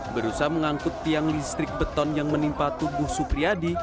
berusaha mengangkut tiang listrik beton yang menimpa tubuh supriyadi